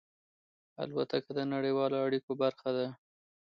الوتکه د نړیوالو اړیکو برخه ده.